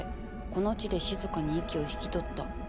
この地で静かに息を引き取った。